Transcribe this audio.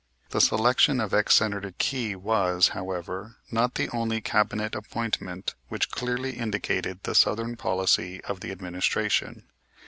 The selection of ex Senator Key was, however, not the only Cabinet appointment which clearly indicated the southern policy of the administration.